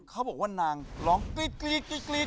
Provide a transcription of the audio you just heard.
เขาบอกว่านางร้องกรี๊ด